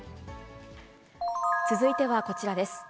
続いてはこちらです。